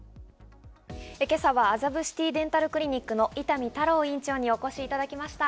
今朝は麻布シティデンタルクリニックの伊丹太郎医院長にお越しいただきました。